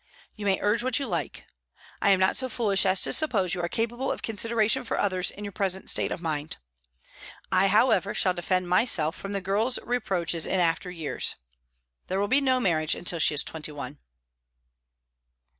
You may urge what you like; I am not so foolish as to suppose you capable of consideration for others in your present state of mind. I, however, shall defend myself from the girl's reproaches in after years. There will be no marriage until she is twenty one."